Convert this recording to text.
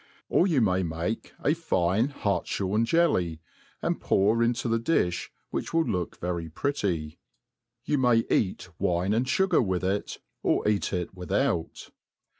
Or you may make a fine hartihorn jelly, and pour into the difli, which will look very pretty, sou may eat^ wine and fugar with it, or eat it without.